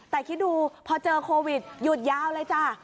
แต่คิดดูพอเจอโควิดหยุดยาวเลยจ้ะ